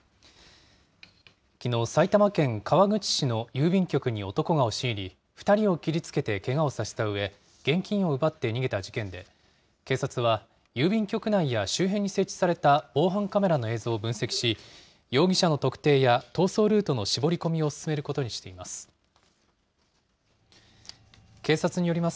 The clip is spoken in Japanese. きのう、埼玉県川口市の郵便局に男が押し入り、２人を切りつけてけがをさせたうえ、現金を奪って逃げた事件で、警察は郵便局内や周辺に設置された防犯カメラの映像を分析し、容疑者の特定や逃走ルートの絞り込みを進めることにしています。